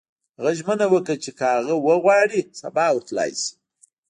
هغه ژمنه وکړه چې که هغه وغواړي سبا ورتلای شي